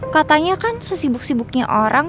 katanya kan sesibuk sibuknya orang